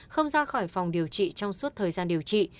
không ra khỏi phòng điều trị trong suốt thời gian điều trị